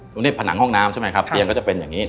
ตรงนี้ผนังห้องน้ำใช่ไหมครับเตียงก็จะเป็นอย่างนี้